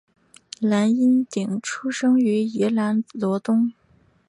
蓝荫鼎出生于宜兰罗东